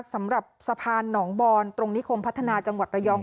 สำหรับสะพานหนองบอนตรงนิคมพัฒนาจังหวัดระยอง